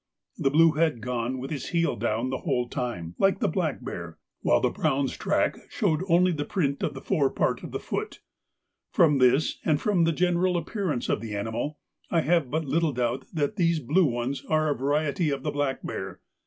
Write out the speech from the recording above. The blue had gone with his heel down the whole time, like the black bear, while the brown's tracks only showed the print of the fore part of the foot. From this and from the general appearance of the animal, I have but little doubt that these blue ones are a variety of the black bear.